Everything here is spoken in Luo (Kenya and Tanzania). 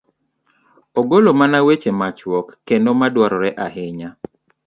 ogolo mana weche machuok kendo ma dwarore ahinya?